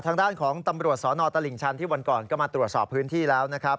ทางด้านของตำรวจสนตลิ่งชันที่วันก่อนก็มาตรวจสอบพื้นที่แล้วนะครับ